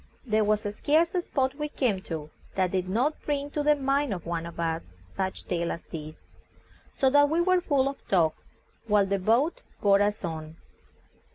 There was scarce a spot we came to that did not bring to the mind of one of us some such tale as this, so that we were full of talk while the boat bore us on.